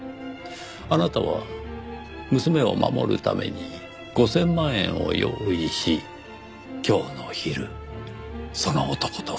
あなたは娘を守るために５０００万円を用意し今日の昼その男と２人で会った。